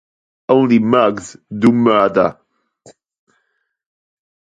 Only mugs do murder.